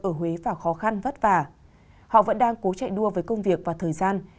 ở huế và khó khăn vất vả họ vẫn đang cố chạy đua với công việc và thời gian